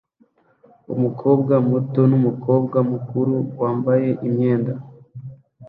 Umukobwa muto numukobwa mukuru wambaye imyenda